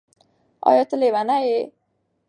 ایا ته لیونی یې؟